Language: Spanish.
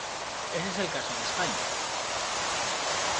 Ese es el caso de España.